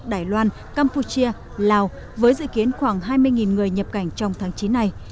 đài loan campuchia lào với dự kiến khoảng hai mươi người nhập cảnh trong tháng chín này